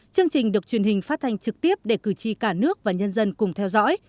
chương trình được truyền hình phát thanh trực tiếp để cử tri cả nước và nhân dân cùng theo dõi